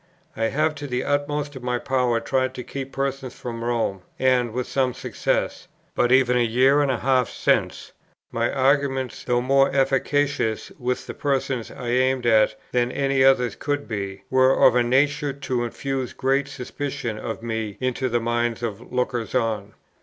I have to the utmost of my power tried to keep persons from Rome, and with some success; but even a year and a half since, my arguments, though more efficacious with the persons I aimed at than any others could be, were of a nature to infuse great suspicion of me into the minds of lookers on.